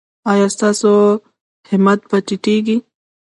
ایا ستاسو همت به ټیټیږي؟